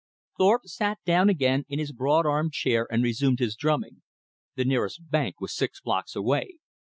Thorpe sat down again in his broad armed chair and resumed his drumming. The nearest bank was six blocks away.